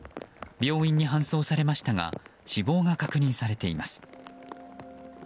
病院に搬送されましたが死亡が確認されています。